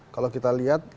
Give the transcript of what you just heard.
kalau kita lihat